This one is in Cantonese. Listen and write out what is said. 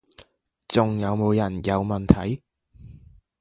仲有冇人有問題？